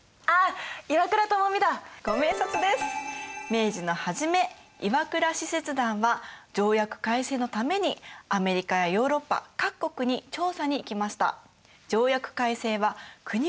明治の初め岩倉使節団は条約改正のためにアメリカやヨーロッパ各国に調査に行きました。